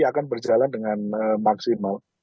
akan berjalan dengan maksimal